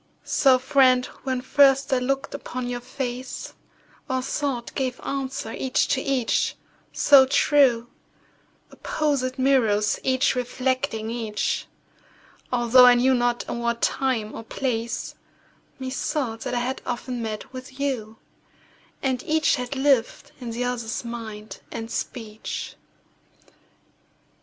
So, friend, when first I look'd upon your face, Our thought gave answer each to each, so true— Opposed mirrors each reflecting each— Altho' I knew not in what time or place, Methought that I had often met with you, And each had lived in the other's mind and speech.